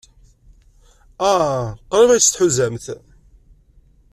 Ah, qrib ay tt-tḥuzamt.